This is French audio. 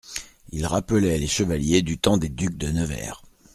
Il rappelait les chevaliers du temps des ducs de Nevers.